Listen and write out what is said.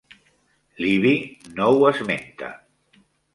Livy no ho esmenta.